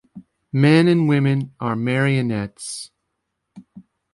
Men and women are marionettes.